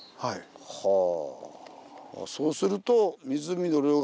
はあ。